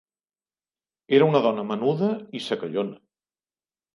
Era una dona menuda i secallona.